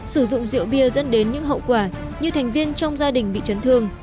sử dụng rượu bia dẫn đến những hậu quả như thành viên trong gia đình bị chấn thương